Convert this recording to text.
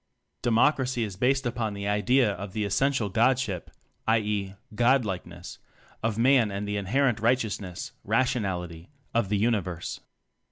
Democracy is based upon the idea of the essential God ship (i. e. God likeness) of Man and the inherent righteousness rationality of the Uni verse.